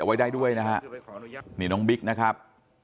ไว้ได้ด้วยนะฮะนี่น้องบิ๊กนะครับ